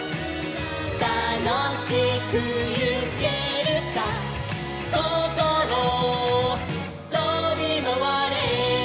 「たのしくいけるさ」「こころとびまわれ」